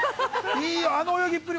いいよ、あの泳ぎっぷり。